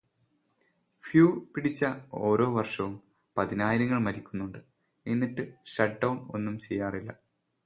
Flu പിടിച്ചു ഓരോ വർഷവും പതിനായിരങ്ങൾ മരിക്കുന്നുണ്ട് എന്നിട്ടും ഷട്ട് ഡൗൺ ഒന്നും ചെയ്യാറില്ല.